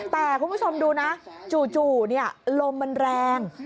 แต่คุณผู้ชมดูนะจู่ลมมันแรง